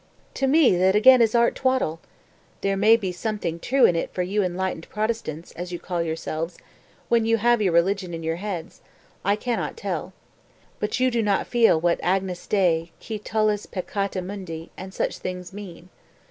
255. "To me that again is art twaddle! There may be something true in it for you enlightened Protestants, as you call yourselves, when you have your religion in your heads; I can not tell. But you do not feel what 'Agnus Dei, qui tollis peccata mundi' and such things mean.